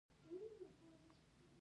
زیتون په ننګرهار کې کیږي